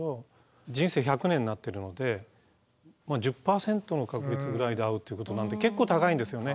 人生１００年になってるので１０％の確率ぐらいで遭うってことなので結構高いんですよね。